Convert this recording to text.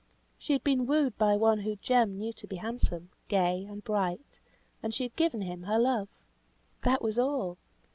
She had been wooed by one whom Jem knew to be handsome, gay, and bright, and she had given him her love. That was all!